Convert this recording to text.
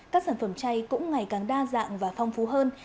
các sản phẩm chay cũng ngày càng đa dạng và phong phú hơn